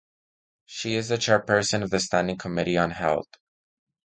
She is the chairperson of the Standing Committee on Health.